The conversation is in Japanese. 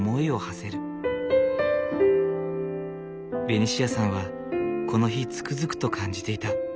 ベニシアさんはこの日つくづくと感じていた。